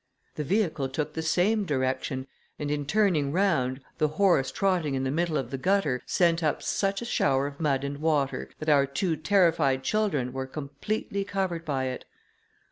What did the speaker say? The vehicle took the same direction, and in turning round, the horse trotting in the middle of the gutter, sent up such a shower of mud and water, that our two terrified children were completely covered by it.